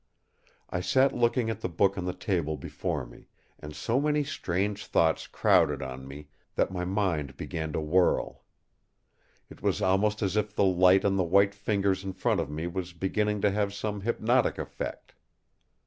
I sat looking at the book on the table before me; and so many strange thoughts crowded on me that my mind began to whirl. It was almost as if the light on the white fingers in front of me was beginning to have some hypnotic effect.